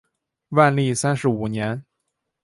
万历三十五年。